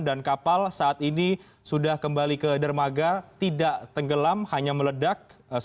dan kapal saat ini sudah kembali ke dermaga tidak tenggelam hanya meledak